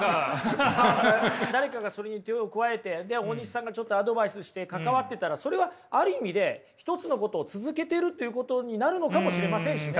誰かがそれに手を加えて大西さんがちょっとアドバイスして関わってたらそれはある意味で一つのことを続けてるっていうことになるのかもしれませんしね。